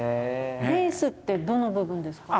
レースってどの部分ですか？